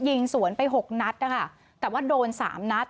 ยิงสวนไป๖นัทแต่ว่าโดน๓นัท